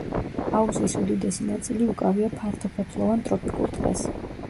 აუზის უდიდესი ნაწილი უკავია ფართოფოთლოვან ტროპიკულ ტყეს.